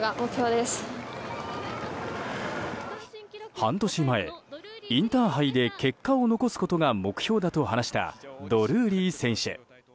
半年前、インターハイで結果を残すことが目標だと話したドルーリー選手。